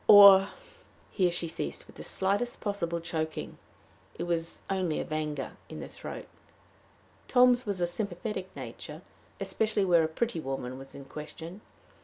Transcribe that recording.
"Or " Here she ceased, with the slightest possible choking it was only of anger in the throat. Tom's was a sympathetic nature, especially where a pretty woman was in question.